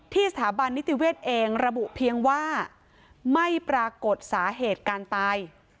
สถาบันนิติเวชเองระบุเพียงว่าไม่ปรากฏสาเหตุการตาย